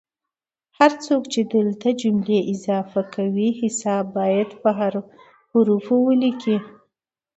هر څوک چې دلته جملې اضافه کوي حساب باید په حوفو ولیکي